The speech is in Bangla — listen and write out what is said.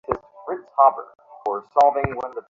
দেখছি, বিংশ শতাব্দীর মাসিমারা বিয়ে দিতেও ভয় পান।